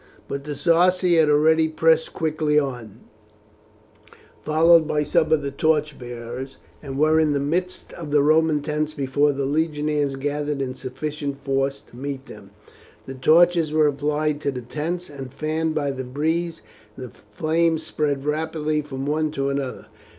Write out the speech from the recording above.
But the Sarci had already pressed quickly on, followed by some of the torch bearers, and were in the midst of the Roman tents before the legionaries gathered in sufficient force to meet them. The torches were applied to the tents, and fanned by the breeze, the flames spread rapidly from one to another.